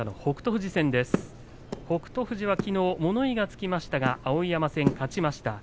富士はきのう物言いがつきましたが碧山戦、勝ちました。